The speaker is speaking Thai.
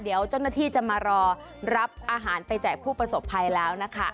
เดี๋ยวเจ้าหน้าที่จะมารอรับอาหารไปแจกผู้ประสบภัยแล้วนะคะ